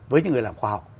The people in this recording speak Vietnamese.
với những người làm khoa học